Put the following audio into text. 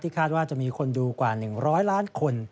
คาดว่าจะมีคนดูกว่า๑๐๐ล้านคน